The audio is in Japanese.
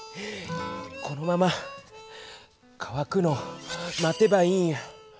このままかわくのを待てばいいんや。